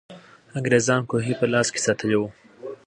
انګریزان کوهي په لاس کې ساتلې وو.